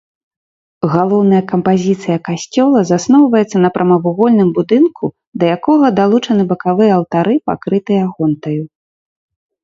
Галоўная кампазіцыя касцёла засноўваецца на прамавугольным будынку, да якога далучаны бакавыя алтары, пакрытыя гонтаю.